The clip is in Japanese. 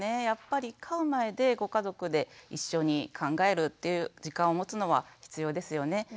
やっぱり飼う前でご家族で一緒に考えるっていう時間を持つのは必要ですよね。